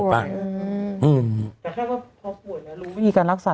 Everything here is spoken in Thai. ก็แค่ว่าพอผ่วยนะรู้ไม่มีการรักษา